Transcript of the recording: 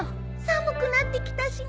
寒くなってきたしね